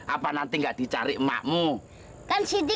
apa nanti nggak dicari emakmu kan siti